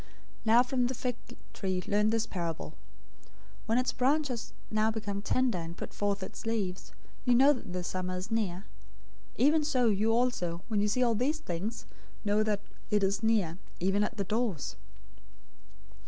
024:032 "Now from the fig tree learn this parable. When its branch has now become tender, and puts forth its leaves, you know that the summer is near. 024:033 Even so you also, when you see all these things, know that it is near, even at the doors.